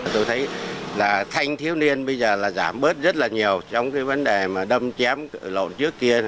tôi thấy là thanh thiếu niên bây giờ là giảm bớt rất là nhiều trong cái vấn đề mà đâm chém lộn trước kia